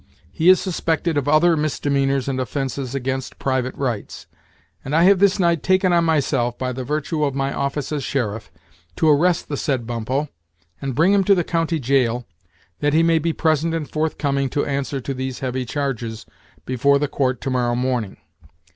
He is suspected of other misdemeanors and offences against private rights; and I have this night taken on myself, by the virtue of my office as sheriff, to arrest the said Bumppo, and bring him to the county jail, that he may be present and forthcoming to answer to these heavy charges before the court to morrow morning.